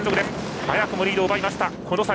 早くもリードを奪いました。